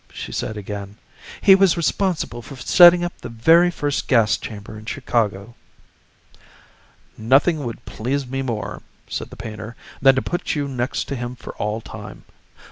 she said again. "He was responsible for setting up the very first gas chamber in Chicago." "Nothing would please me more," said the painter, "than to put you next to him for all time.